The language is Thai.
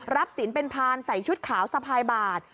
รับศีลเป็นพานใส่ชุดขาวสะพายบาด